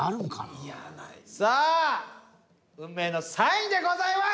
さあ運命の３位でございます！